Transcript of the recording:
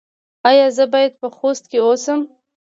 ایا زه باید په خوست کې اوسم؟